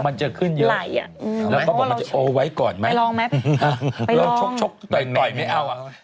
มันจะขึ้นเยอะไหลอ่ะทำไมไปลองไหมไปลองชกต่อยไม่เอา